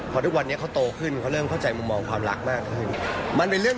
พอทุกวันนี้เขาโตขึ้นเขาเริ่มเข้าใจมุมมองความรักมากขึ้น